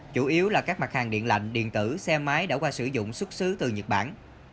chủ yếu là các mặt hàng điện lạnh điện tử xe máy đã qua sử dụng xuất xứ từ nhật bản